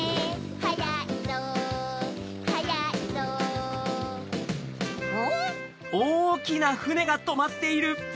はやいぞはやいぞん？